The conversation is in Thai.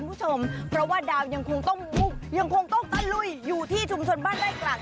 เขาบอกว่าประโยชน์เยอะจริง